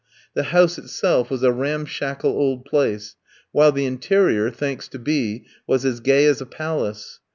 The house itself was a ramshackle old place, while the interior, thanks to B in, was as gay as a palace.